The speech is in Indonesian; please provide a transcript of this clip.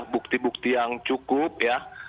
bukti bukti yang cukup ya